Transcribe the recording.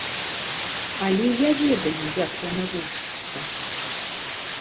Але я ведаю, як яна вучыцца.